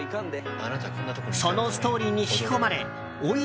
そのストーリーに引き込まれ追い